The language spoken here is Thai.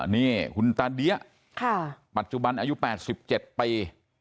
นี่คุณตาเดี้ยปัจจุบันอายุ๘๗ปี